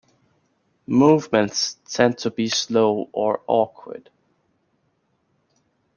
Movements tend to be slow or awkward.